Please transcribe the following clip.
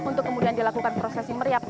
untuk kemudian dilakukan prosesi meriap